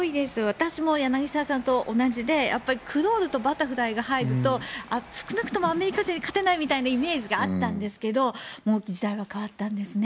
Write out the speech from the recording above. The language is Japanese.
私も柳澤さんと同じでクロールとバタフライが入ると少なくともアメリカ勢に勝てないみたいなイメージがあったんですが時代は変わったんですね。